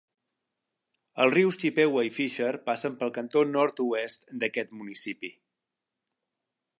Els rius Chippewa i Fisher passen pel cantó nord-oest d'aquest municipi.